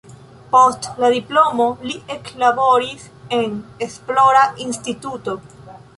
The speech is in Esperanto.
Post la diplomo li eklaboris en esplora instituto.